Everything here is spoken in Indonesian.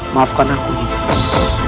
maafkan aku ines